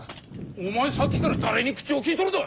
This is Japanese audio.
お前さっきから誰に口を利いとるだあ！